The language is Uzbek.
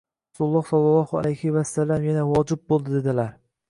Rasululloh sallollohu alayhi vasallam yana: “vojib bo‘ldi”, dedilar